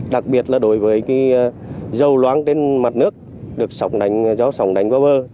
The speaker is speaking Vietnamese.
đặc biệt là đối với dầu loáng trên mặt nước được sóng đánh vào bờ